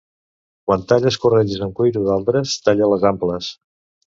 Quan talles corretges amb cuiro d'altres, talla-les amples.